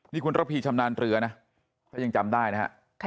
นี่คุณระพีชำนาญเรือนะถ้ายังจำได้นะฮะ